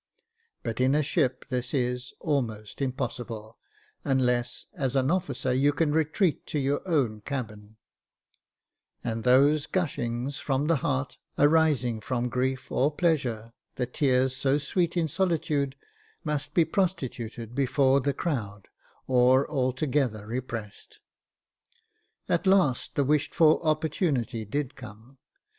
But in a ship this is almost impossible, unless, as an officer, you can retreat to your own cabin ; and those gushings from the heart, arising from grief, or pleasure, the tears so sweet in solitude, must be prostituted before the crowd, or altogether repressed. At last the wished for opportunity did come.